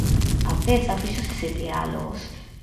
A peza fíxose sen diálogos.